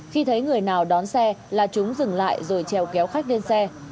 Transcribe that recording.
khi thấy người nào đón xe là chúng dừng lại rồi trèo kéo khách lên xe